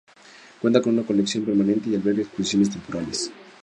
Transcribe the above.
Cuenta con una colección permanente y alberga exposiciones temporales.